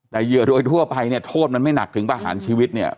แต่เหยื่อโดยทั่วไปเนี่ยโทษมันไม่หนักถึงประหารชีวิตเนี่ย